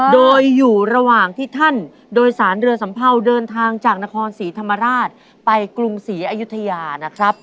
โดยอยู่ระหว่างที่ท่านโดยสารเรือสัมเภาเดินทางจากนครศรีธรรมราชไปกรุงศรีอยุธยานะครับ